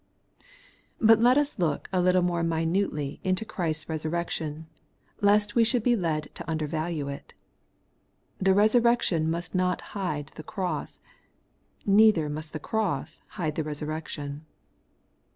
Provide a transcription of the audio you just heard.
But let us look a little more minutely into Christ's resurrection, lest we should be led to undervalue it. The resurrection must not hide the cross ; neither must the cross hide the resurrection.